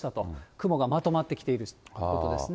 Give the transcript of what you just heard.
雲がまとまってきていることですね。